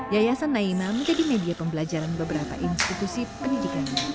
yayasan naimah menjadi media pembelajaran beberapa institusi pendidikannya